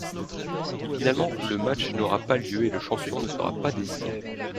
Finalement le match n'aura pas lieu et le champion ne sera pas désigné.